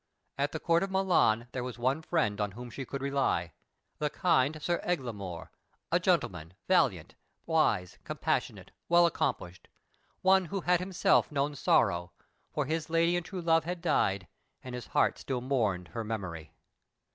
At the Court of Milan there was one friend on whom she could rely the kind Sir Eglamour, a gentleman, valiant, wise, compassionate, well accomplished; one who had himself known sorrow, for his lady and true love had died, and his heart still mourned her memory.